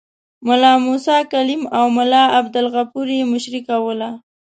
ملا موسی کلیم او ملا عبدالغفور یې مشري کوله.